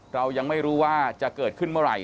เรายังไม่รู้ว่าจะเกิดขึ้นเมื่อไหร่